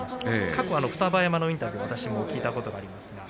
過去、双葉山のインタビューを私も聞いたことがあります。